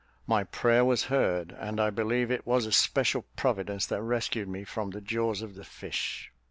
My prayer was heard, and I believe it was a special Providence that rescued me from the jaws of the fish.